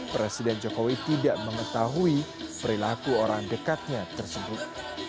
presiden jokowi tidak mengetahui perilaku orang dekatnya tersebut